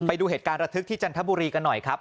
ไปดูเหตุการณ์ระทึกที่จันทบุรีกันหน่อยครับ